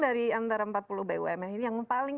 dari antara empat puluh bumn ini yang paling